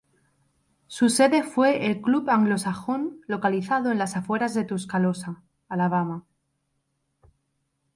Su sede fue el "Club Anglosajón", localizado en las afueras de Tuscaloosa, Alabama.